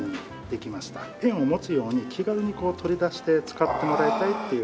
ペンを持つように気軽に取り出して使ってもらいたいっていう。